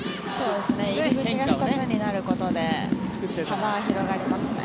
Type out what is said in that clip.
入り口が２つになることで幅が広がりますね。